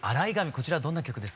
こちらどんな曲ですか？